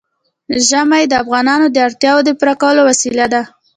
ژمی د افغانانو د اړتیاوو د پوره کولو وسیله ده.